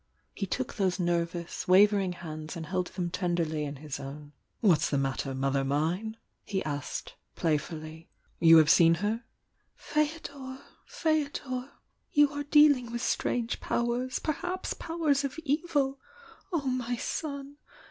He took those nervous, wavering hands and held them tenderly in his own. .„„., j "What's the matter, mother mme? he asked, playfully. "You have seen her?" "Fdodor! Feodor! You aie dealing with strange powers!— perhaps powers of evil! Oh, my son!